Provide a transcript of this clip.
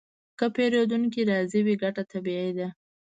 که پیرودونکی راضي وي، ګټه طبیعي ده.